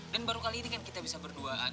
dan baru kali ini kan kita bisa berduaan